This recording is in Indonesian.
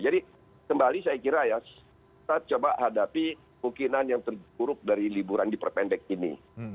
jadi kembali saya kira ya kita coba hadapi mungkinan yang terburuk dari liburan di perpendek ini